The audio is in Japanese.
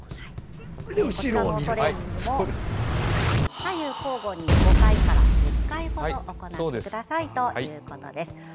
このトレーニングも左右交互に５回から１０回ほど行ってくださいということです。